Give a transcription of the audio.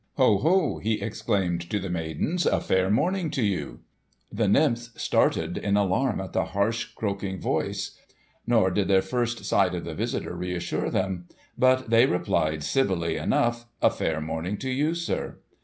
"Ho, ho!" he exclaimed to the maidens. "A fair morning to you!" The nymphs started in alarm at the harsh, croaking voice. Nor did their first sight of the visitor reassure them. But they replied, civilly enough, "A fair morning to you, sir!"